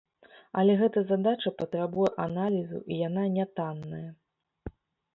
Але гэта задача патрабуе аналізу, і яна нятанная.